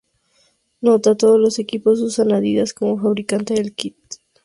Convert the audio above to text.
Nota: Todos los equipos usan Adidas como fabricante del kit.